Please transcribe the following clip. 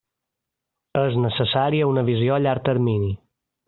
És necessària una visió a llarg termini.